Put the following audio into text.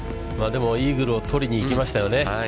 でも、イーグルを取りに行きましたよね。